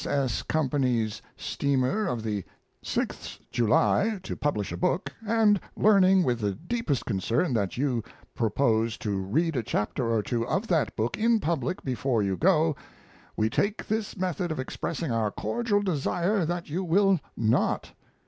S. S. Company's steamer of the 6th July, to publish a book, and learning with the deepest concern that you propose to read a chapter or two of that book in public before you go, we take this method of expressing our cordial desire that you will not.